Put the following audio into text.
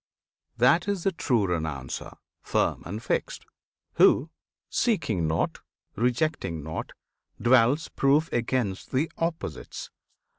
That is the true Renouncer, firm and fixed, Who seeking nought, rejecting nought dwells proof Against the "opposites."